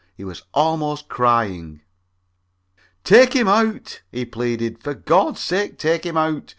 He was almost crying. "Take him out," he pleaded; "for Gord sake, take him out.